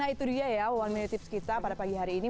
nah itu dia ya one minute tips kita pada pagi hari ini